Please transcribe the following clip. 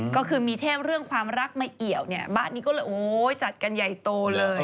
ก็คือมีเทพเรื่องความรักมาเอี่ยวเนี่ยบ้านนี้ก็เลยโอ้ยจัดกันใหญ่โตเลย